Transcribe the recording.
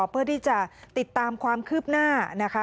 เพื่อที่จะติดตามความคืบหน้านะคะ